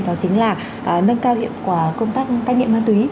đó chính là nâng cao hiệu quả công tác cai nghiện ma túy